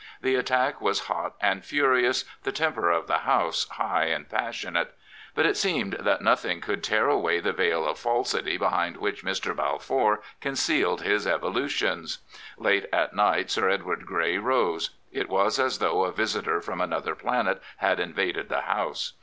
The attack was hot and furious ; the temper of the House high and passionate. But it seemed that nothing could tear away the veil of falsity behind which Mr. Balfour concealed his evolu tions. Late at night Sir Edward Grey rose. It was as though a visitor from another planet had invaded the House.